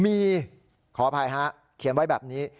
มีขออภัยฮะเขียนไว้แบบนี้